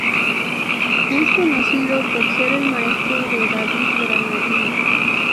Es conocido por ser el maestro de David Granadino.